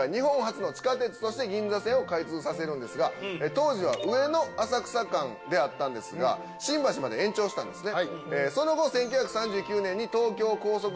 当時は上野浅草間だったんですが新橋まで延長したんですね。